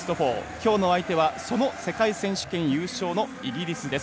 きょうの相手はその世界選手権優勝のイギリスです。